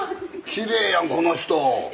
きれいやんこの人。